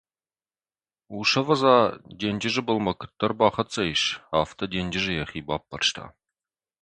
Ус, ӕвӕдза, денджызы былмӕ куыддӕр бахӕццӕ ис, афтӕ денджызы йӕхи баппӕрста.